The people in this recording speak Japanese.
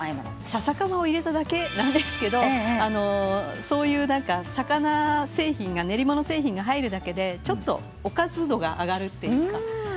ささかまを入れただけなんですけどそういう魚製品、練り物製品が入るだけでちょっとおかず度が上がるというか